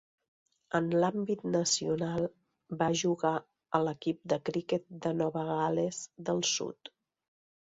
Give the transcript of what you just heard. En l'àmbit nacional, va jugar a l'equip de criquet de Nova Gal·les del Sud.